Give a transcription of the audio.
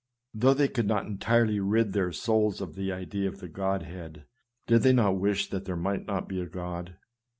Though they could not entirely rid their souls of the idea of the Godhead, did they not wish that there might not be a God?